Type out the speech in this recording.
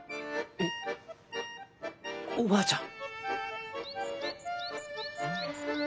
えっおばあちゃん